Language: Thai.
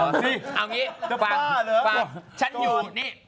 เอาอย่างนี้ฟัง